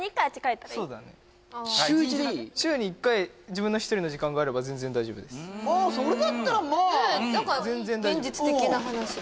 週に１回自分の１人の時間があれば全然大丈夫ですそれだったらまあねえ何か現実的な話だ